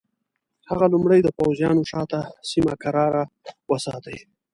هغه لومړی د پوځیانو شاته سیمه کراره وساتي.